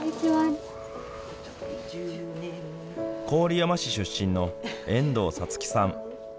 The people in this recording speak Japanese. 郡山市出身の遠藤さつきさん。